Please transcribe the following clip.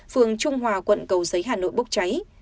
phường trung hòa quận cầu giấy hà nội bốc cháy